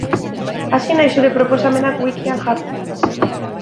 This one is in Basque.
Hasi naiz zure proposamenak wikian jartzen.